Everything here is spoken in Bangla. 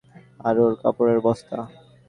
আর ওর কাপড়ের বস্তা?